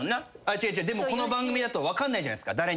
違うでもこの番組だと分かんないじゃないですか。